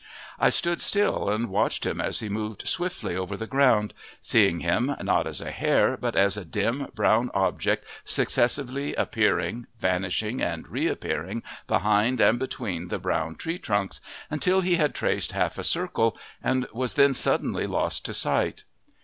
I stood still and watched him as he moved swiftly over the ground, seeing him not as a hare but as a dim brown object successively appearing, vanishing, and reappearing, behind and between the brown tree trunks, until he had traced half a circle and was then suddenly lost to sight.